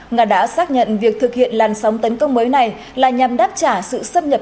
nga đã xác nhận việc thực hiện làn sóng tấn công mới này là nhằm đáp trả sự xâm nhập